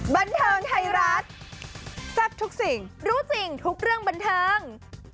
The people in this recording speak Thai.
บันเทิงไทยรัฐแซ่บทุกสิ่งรู้จริงทุกเรื่องบันเทิง